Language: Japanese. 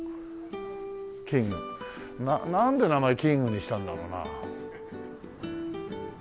きんぐなんで名前きんぐにしたんだろうな？